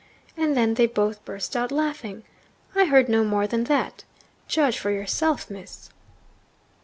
And then they both burst out laughing. I heard no more than that. Judge for yourself, Miss.'